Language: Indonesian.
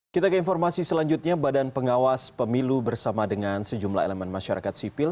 kita ke informasi selanjutnya badan pengawas pemilu bersama dengan sejumlah elemen masyarakat sipil